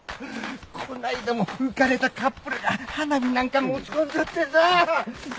こないだも浮かれたカップルが花火なんか持ち込んじゃってさ。